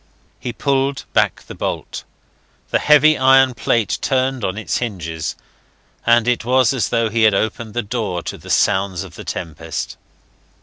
He pulled back the bolt: the heavy iron plate turned on its hinges; and it was as though he had opened the door to the sounds of the tempest.